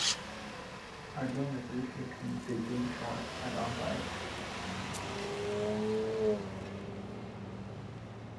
I don't appreciate him taking shots at our guys.